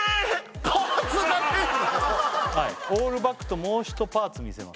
はいオールバックともう１パーツ見せます